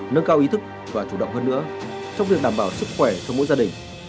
nâng cao ý thức và chủ động hơn nữa trong việc đảm bảo sức khỏe cho mỗi gia đình